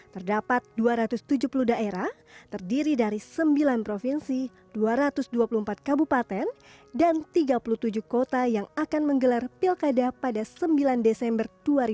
terdapat dua ratus tujuh puluh daerah terdiri dari sembilan provinsi dua ratus dua puluh empat kabupaten dan tiga puluh tujuh kota yang akan menggelar pilkada pada sembilan desember dua ribu dua puluh